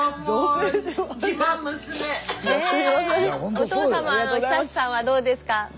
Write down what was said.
お父様の久さんはどうですか？